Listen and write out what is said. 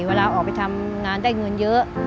เวลาออกไปทำงานได้เงินเยอะ